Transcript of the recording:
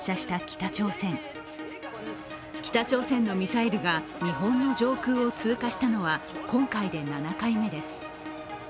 北朝鮮のミサイルが日本の上空を通過したのは今回で７回目です。